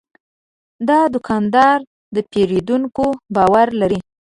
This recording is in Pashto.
دا دوکاندار د پیرودونکو باور لري.